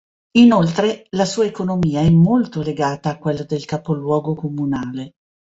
Inoltre la sua economia è molta legata a quella del capoluogo comunale.